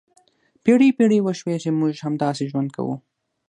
پېړۍ پېړۍ وشوې چې موږ همداسې ژوند کوو.